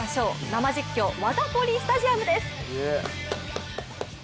生実況、ワダポリスタジアムです！